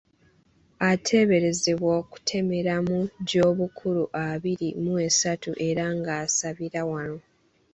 Ateeberezebwa okutemera mu gy'obukulu abiri mu esatu era ng'asabira wano.